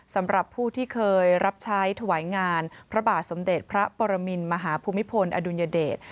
สำหรับผู้ที่เคยรับใช้ถวายงานพระบาทสมเด็จพระปรมินมหาภูมิพลอดุลยเดช